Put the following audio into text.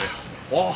ああ！